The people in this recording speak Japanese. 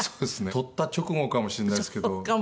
取った直後かもしれないんですけど。